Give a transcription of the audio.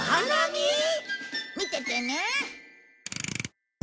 見ててね。